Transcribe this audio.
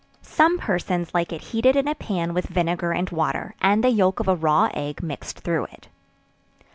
Some persons like it heated in a pan with vinegar and water, and the yelk of a raw egg mixed through it.